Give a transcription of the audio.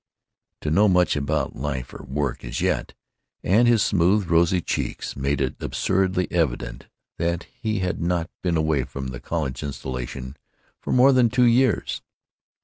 to know much about life or work, as yet, and his smooth, rosy cheeks made it absurdly evident that he had not been away from the college insulation for more than two years.